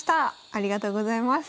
ありがとうございます。